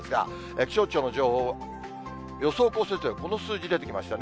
気象庁の情報、予想降雪量、この時間、出てきましたね。